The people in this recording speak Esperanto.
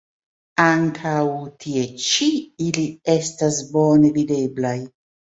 Ankaŭ tie ĉi ili estas bone videblaj.